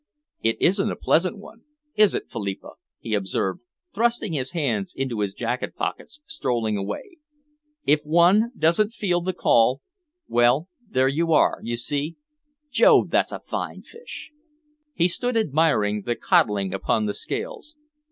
"It isn't a pleasant one, is it, Philippa?" he observed, thrusting his hands into his jacket pockets strolling away. "If one doesn't feel the call well, there you are, you see. Jove, that's a fine fish." He stood admiring the codling upon the scales.